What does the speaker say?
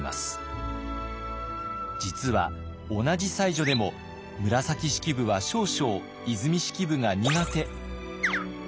実は同じ才女でも紫式部は少々和泉式部が苦手。